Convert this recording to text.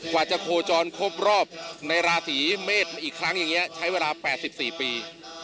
กว่าจะโคจรครบรอบในราศีเมษอีกครั้งอย่างนี้ใช้เวลา๘๔ปี